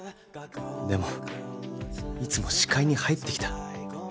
でもいつも視界に入ってきた。